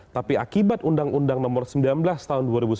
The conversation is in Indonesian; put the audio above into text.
tapi akibat undang undang nomor sembilan belas tahun dua ribu sembilan belas